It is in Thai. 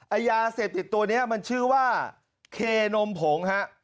ไอ้ยาเสพติดตัวนี้มันชื่อว่าเคนมผงฮะ